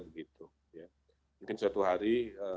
begitu mungkin suatu hari